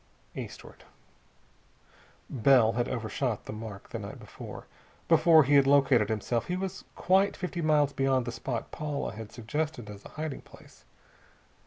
Eastward. Bell had overshot the mark the night before. Before he had located himself he was quite fifty miles beyond the spot Paula had suggested as a hiding place.